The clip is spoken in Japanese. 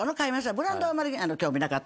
ブランドはあんまり興味なかった。